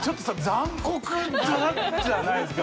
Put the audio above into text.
残酷なんじゃないですか？